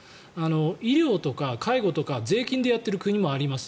医療とか介護とか税金でやっている国もあります。